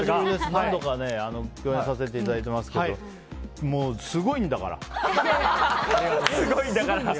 何度か共演させていただいていますがもうすごいんだから！